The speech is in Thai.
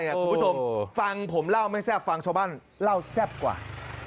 คุณผู้ชมฟังผมเล่าไม่แซ่บฟังชาวบ้านเล่าแซ่บกว่า